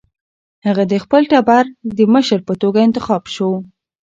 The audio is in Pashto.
هغه د خپل ټبر د مشر په توګه انتخاب شو.